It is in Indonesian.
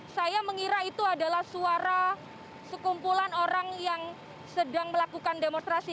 saya mengira itu adalah suara sekumpulan orang yang sedang melakukan demonstrasi